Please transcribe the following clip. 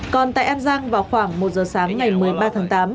còn tại an giang vào khoảng một giờ sáng ngày một mươi ba tháng tám